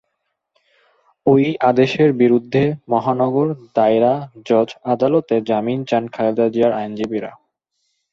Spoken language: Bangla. ওই আদেশের বিরুদ্ধে মহানগর দায়রা জজ আদালতে জামিন চান খালেদা জিয়ার আইনজীবীরা।